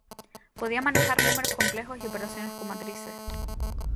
Podía manejar números complejos y operaciones con matrices.